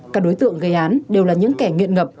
các đối tượng gây án đều là những kẻ nghiện ngập